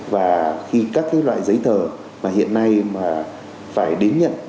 và khi các loại giấy thờ mà hiện nay mà phải đến nhận